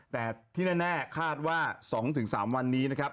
แต่ที่แน่คาดว่า๒๓วันนี้นะครับ